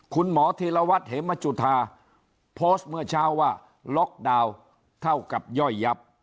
ธีรวัตรเหมจุธาโพสต์เมื่อเช้าว่าล็อกดาวน์เท่ากับย่อยยับ